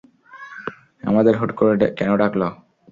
আমাদের হুট করে কেন ডাকলো?